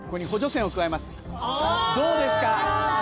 どうですか？